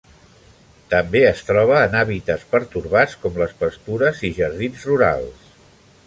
També es troba en hàbitats pertorbats com les pastures i jardins rurals.